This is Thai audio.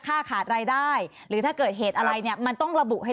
ขาดรายได้หรือถ้าเกิดเหตุอะไรเนี่ยมันต้องระบุให้